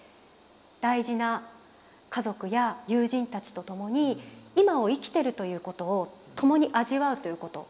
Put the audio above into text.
大事な家族や友人たちと共に今を生きてるということを共に味わうということ。